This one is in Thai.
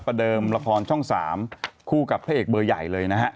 ประเดิมละครช่อง๓คู่กับเผ็ดเบอร์ใหญ่เลยนะฮะ